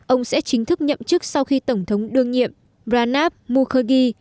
ông sẽ chính thức nhậm chức sau khi tổng thống đương nhiệm branab mukhegi